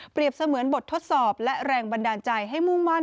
เสมือนบททดสอบและแรงบันดาลใจให้มุ่งมั่น